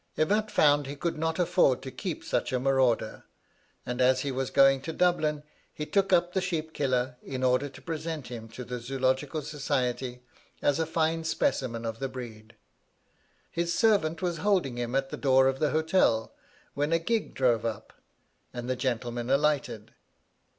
Evatt found he could not afford to keep such a marauder, and as he was going to Dublin he took up the sheep killer, in order to present him to the Zoological Society as a fine specimen of the breed. His servant was holding him at the door of the hotel when a gig drove up, and the gentleman alighted.